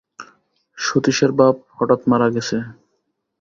সতীশের বাপ হঠাৎ মারা গেছে।